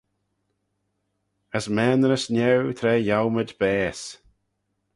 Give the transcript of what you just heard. As maynrys niau tra yiowmayd baase.